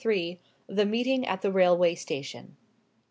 THE MEETING AT THE RAILWAY STATION.